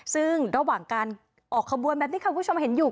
ซึ่งระหว่างการออกขบวนแบบนี้ค่ะคุณผู้ชมเห็นอยู่